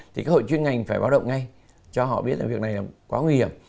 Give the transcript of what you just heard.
thì các hội chuyên ngành phải báo động ngay cho họ biết là việc này là quá nguy hiểm